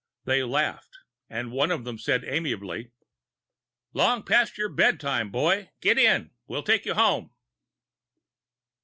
They laughed and one of them said amiably: "Long past your bedtime, boy. Get in. We'll take you home."